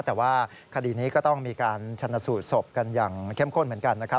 แต่ว่าคดีนี้ก็ต้องมีการชนะสูตรศพกันอย่างเข้มข้นเหมือนกันนะครับ